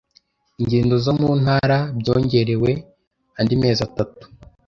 Ingendo zo muntara byongerewe andi mezi atatu.